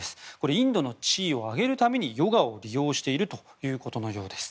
インドの地位を上げるためにヨガを利用しているということのようです。